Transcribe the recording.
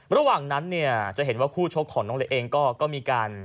ระหว่างนั้นเนี่ยจะเห็นว่าคู่ชกของน้องเล็กเองก็มีการ